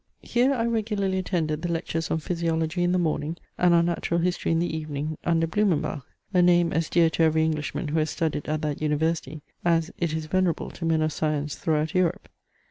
Here I regularly attended the lectures on physiology in the morning, and on natural history in the evening, under Blumenbach, a name as dear to every Englishman who has studied at that university, as it is venerable to men of science throughout Europe!